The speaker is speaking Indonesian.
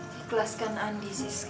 dikhlaskan andi siska